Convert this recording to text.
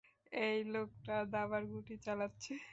এই লোকটা দাবার গুটি চালাচ্ছে।